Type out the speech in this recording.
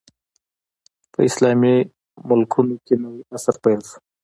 په اسلامي ملکونو کې نوی عصر پیل شو.